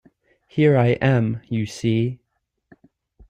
Here I am, you see!